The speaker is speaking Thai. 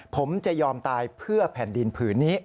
ผมจะยอมตายเพื่อแผ่นดินผืนนี้